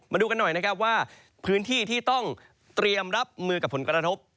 มาดูกันหน่อยนะครับว่าพื้นที่ที่ต้องเตรียมรับมือกับผลกระทบ